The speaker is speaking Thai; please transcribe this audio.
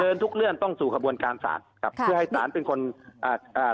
ทุกเรื่องต้องสู่กระบวนการศาลครับเพื่อให้ศาลเป็นคนอ่าอ่า